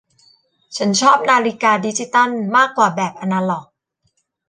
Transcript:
ฉันชอบนาฬิกาดิจิตัลมากกว่าแบบอนาล็อก